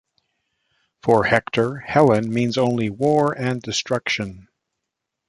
For Hector, Helen means only war and destruction.